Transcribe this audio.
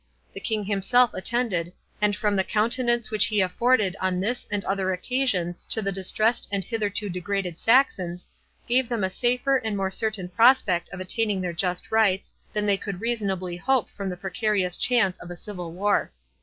The King himself attended, and from the countenance which he afforded on this and other occasions to the distressed and hitherto degraded Saxons, gave them a safer and more certain prospect of attaining their just rights, than they could reasonably hope from the precarious chance of a civil war.